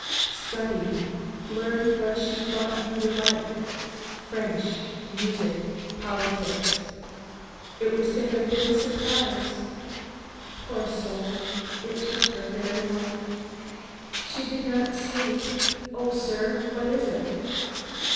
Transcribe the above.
"Studied. Learned what she thought you would like French music politics. It was to have been a surprise. Poor soul! it took her very life. She did not sleep Oh, sir, what is it?"